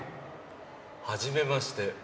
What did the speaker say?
「初めまして。